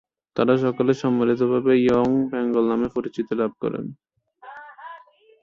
তারা সকলে সম্মিলিতভাবে ইয়ং বেঙ্গল নামে পরিচিতি লাভ করেন।